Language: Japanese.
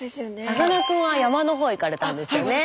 さかなクンは山の方へ行かれたんですよね。